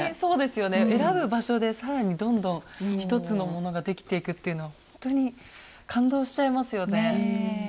選ぶ場所で更にどんどん一つのものができていくっていうのはほんとに感動しちゃいますよね。